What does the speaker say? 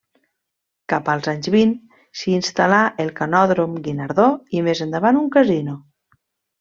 Cap als anys vint, s'hi instal·là el Canòdrom Guinardó i més endavant un casino.